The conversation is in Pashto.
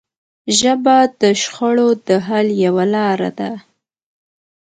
ژبه د شخړو د حل یوه لاره ده